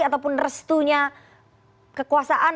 ataupun restunya kekuasaan